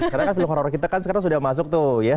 karena kan film horror kita kan sekarang sudah masuk tuh ya